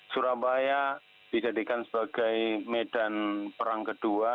surabaya dijadikan sebagai medan perang kedua